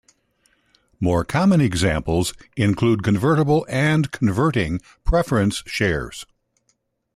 More common examples include convertible and converting preference shares.